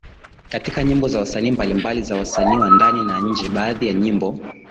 katika nyimbo za wasanii mbalimbali za wasanii wa ndani na nje Baadhi ya nyimbo